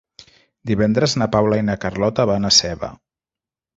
Divendres na Paula i na Carlota van a Seva.